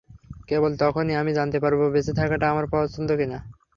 কেবল তখনই আমি জানতে পারবো বেঁচে থাকাটা আমার পছন্দ কিনা।